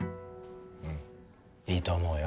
うんいいと思うよ。